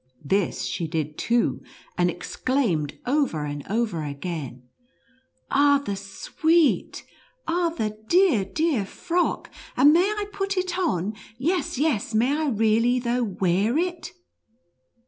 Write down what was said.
This she did too, and exclaimed over and over again, " Ah, the sweet — ah, the dear, dear frock ! and may I put it on ? yes, yes — may I really, though, wear it